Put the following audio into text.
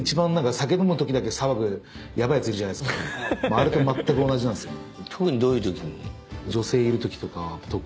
あれとまったく同じなんすよね。